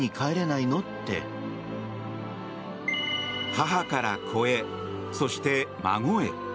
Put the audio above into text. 母から子へ、そして孫へ。